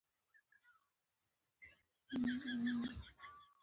ټپي ته باید دواړه فزیکي او ذهني مرسته ورکړل شي.